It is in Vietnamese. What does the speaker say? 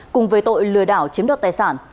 cùng với tội lừa đảo chiếm đoạt tài sản